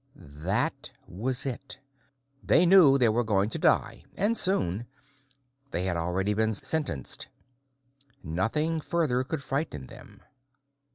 That was it. They knew they were going to die, and soon. They had already been sentenced; nothing further could frighten them.